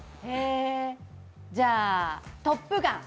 じゃあ、「トップガン」。